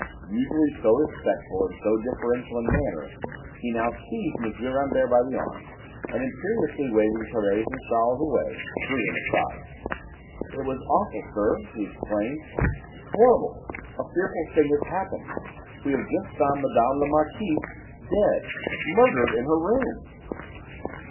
Usually so respectful and so deferential in manner, he now seized M. Rambert by the arm, and imperiously waving Thérèse and Charles away, drew him aside. "It is awful, sir," he exclaimed: "horrible: a fearful thing has happened. We have just found Mme. la Marquise dead murdered in her room!"